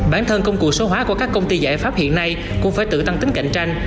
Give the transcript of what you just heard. bản thân công cụ số hóa của các công ty giải pháp hiện nay cũng phải tự tăng tính cạnh tranh